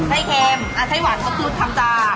ไส้เค็มอ่ะไส้หวานก็คือทำจาก